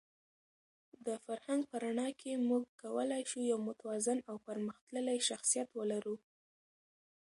د فرهنګ په رڼا کې موږ کولای شو یو متوازن او پرمختللی شخصیت ولرو.